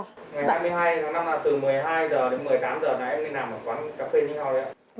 ngày hai mươi hai tháng năm là từ một mươi hai h đến một mươi tám h là em đi làm ở quán cà phê như thế nào đấy ạ